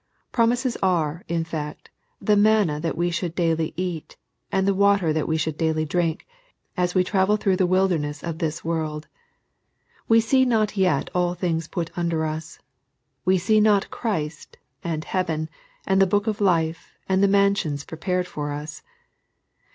Promises are, in fact, the manna that we should daily eat, and the water that we should daily drink, as we travel through the wilder ness of this world. We see not yet all things put under us. We see not Christ, and heaven, and the book of life and the mansions prepared for us.